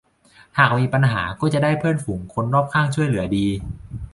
หากมีปัญหาก็จะได้เพื่อนฝูงคนรอบข้างช่วยเหลือดี